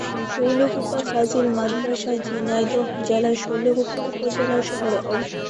শৈলকুপা ফাজিল মাদ্রাসা ঝিনাইদহ জেলার শৈলকুপা উপজেলা শহরে অবস্থিত।